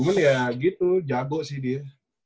cuman ya gitu jago sih dia